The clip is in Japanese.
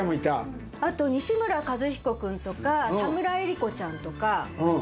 あと西村和彦君とか田村英里子ちゃんとか。